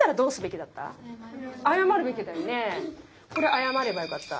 謝ればよかった。